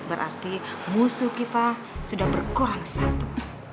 berarti musuh kita sudah berkurang satu